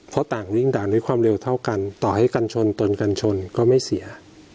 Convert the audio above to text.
เพราะต่างวิ่งด่านด้วยความเร็วเท่ากันต่อให้กันชนตนกันชนก็ไม่เสีย